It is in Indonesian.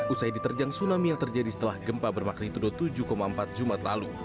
usai diterjang tsunami yang terjadi setelah gempa bermagnitudo tujuh empat jumat lalu